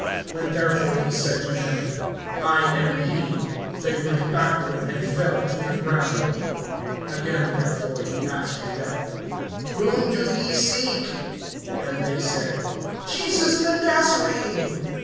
(6)When therefore he said to them, I am he, they went backward, and fell to the ground. (7)Again therefore he asked them: Whom do ye seek? And they said: Jesus the Nazarene.